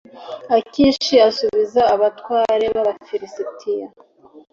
akishi asubiza abatware b’abafilisitiya